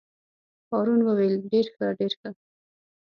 هارون وویل: ډېر ښه ډېر ښه.